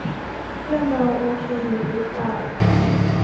เพื่อนเราโอเคอยู่รึเปล่า